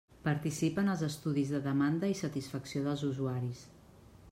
Participa en els estudis de demanda i satisfacció dels usuaris.